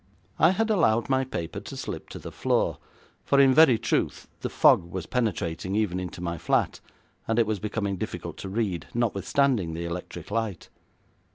I had allowed my paper to slip to the floor, for in very truth the fog was penetrating even into my flat, and it was becoming difficult to read, notwithstanding the electric light.